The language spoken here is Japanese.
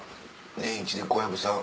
年１で小籔さん。